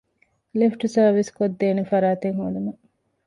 ލިފްޓް ސާރވިސްކޮށްދޭނެ ފަރާތެއް ހޯދުމަށް